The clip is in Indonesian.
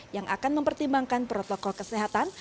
yang akan mempertimbangkan protokol kesehatan